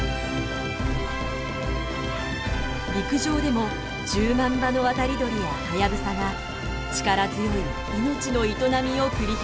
陸上でも１０万羽の渡り鳥やハヤブサが力強い命の営みを繰り広げています。